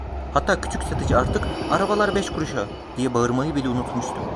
Hatta küçük satıcı artık "arabalar beş kuruşa" diye bağırmayı bile unutmuştu.